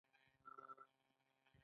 د تولید درېدل او توقف هم یوه نښه ده